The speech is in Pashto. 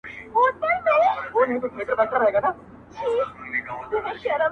خره پرخوله لغته ورکړله محکمه -